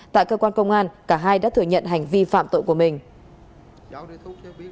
tại cơ quan công an cả hai đã thừa nhận hành vi phạm tội của mình